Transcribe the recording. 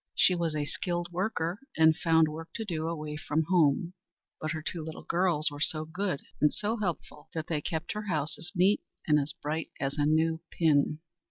She was a skilled worker, and found work to do away from home, but her two little girls were so good and so helpful that they kept her house as neat and as bright as a new pin.